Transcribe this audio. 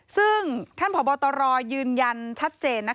ซึ่งท่านผอบตรยืนยันชัดเจน